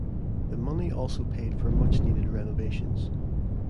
The money also paid for much needed renovations.